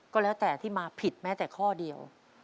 ก็แล้วแต่ที่มาผิดแม้แต่ข้อเดียว